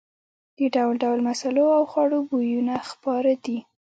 د ډول ډول مسالو او خوړو بویونه خپاره دي.